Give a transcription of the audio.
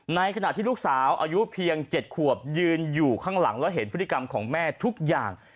ในขณะที่ลูกสาวอายุเพียง๗ขวบยืนอยู่ข้างหลังแล้วเห็นพฤติกรรมของแม่ทุกอย่าง